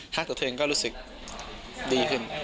ถ้าตัวเธอเองก็รู้สึกดีขึ้น